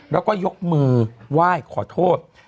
แล้วก็ยกมือไหว้ขอโทษ